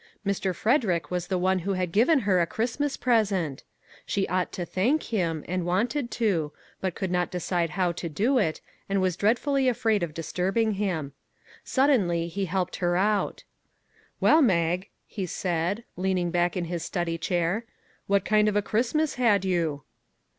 Mr. Frederick was the one who had given her a Christmas present ! She ought to thank him, and wanted to ; but could not de cide how to do it, and was dreadfully afraid of disturbing him. Suddenly he helped her out. " Well, Mag," he said, leaning back in his study chair, " what kind of a Christmas had you?"